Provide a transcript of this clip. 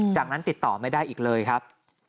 จากนั้นติดต่อไม่ได้อีกเลยครับ